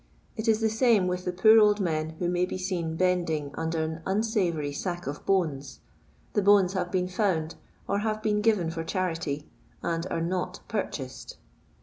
It is the same with the poor old men who may be seen bending under an unsavoury sack of bones. The bones hare been found, or have been given for charity, and are not purchued.